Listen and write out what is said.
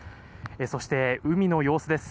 そして、海の様子です。